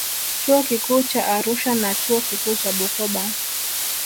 Chuo Kikuu cha Arusha na Chuo Kikuu cha Bukoba